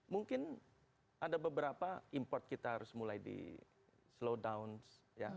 mungkin ada beberapa import kita harus mulai di slow down